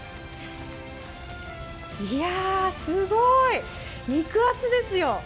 すごい肉厚ですよ。